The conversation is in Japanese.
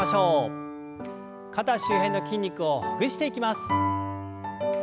肩周辺の筋肉をほぐしていきます。